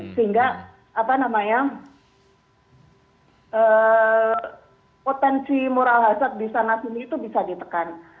sehingga potensi mural hazard di sana sini itu bisa ditekan